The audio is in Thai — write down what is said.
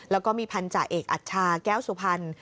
แล้วก็มีพันธุ์จ่าเอกอัชชาแก้วสุพันธุ์